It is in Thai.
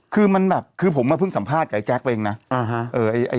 คือมันแบบคือผมมาเพิ่งสัมภาษณ์กับไอแจ๊คไปเองนะ